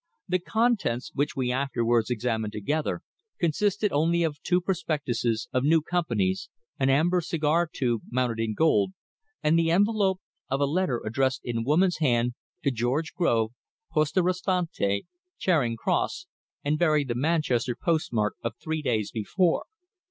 The contents, which we afterwards examined together, consisted only of two prospectuses of new companies, an amber cigar tube mounted in gold, and the envelope of a letter addressed in a woman's hand to "George Grove, Poste Restante, Charing Cross," and bearing the Manchester post mark of three days before.